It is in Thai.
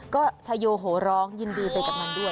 ก็ชายโยโหร้องยินดีไปกับมันด้วย